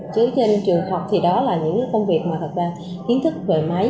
chứ trên trường học thì đó là những công việc mà thật là kiến thức về máy